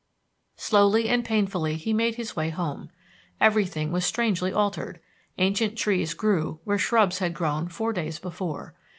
Slowly and painfully he made his way home. Everything was strangely altered. Ancient trees grew where shrubs had grown four days before.